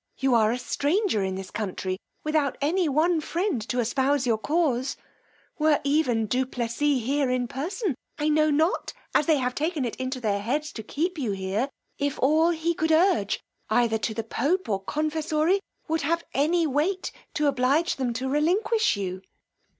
you are a stranger in this country, without any one friend to espouse your cause: were even Du Plessis here in person, I know not, as they have taken it into their heads to keep you here, if all he could urge, either to the pope or confessory, would have any weight to oblige them to relinquish you.